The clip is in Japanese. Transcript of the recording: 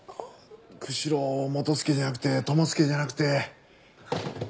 釧路元介じゃなくて友介じゃなくて。